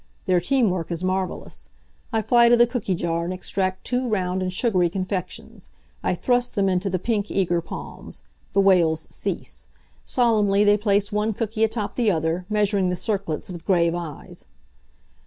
Their teamwork is marvelous. I fly to the cooky jar and extract two round and sugary confections. I thrust them into the pink, eager palms. The wails cease. Solemnly they place one cooky atop the other, measuring the circlets with grave eyes.